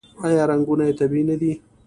آیا رنګونه یې طبیعي نه دي؟